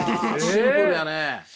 シンプルやね。